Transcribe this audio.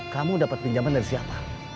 kamu dapat pinjaman dari siapa